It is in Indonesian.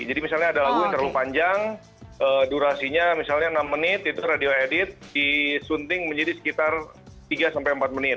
jadi misalnya ada lagu yang terlalu panjang durasinya misalnya enam menit itu radio edit disunting menjadi sekitar tiga sampai empat menit